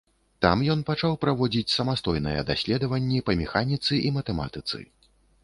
Там ён пачаў праводзіць самастойныя даследаванні па механіцы і матэматыцы.